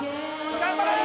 頑張れ！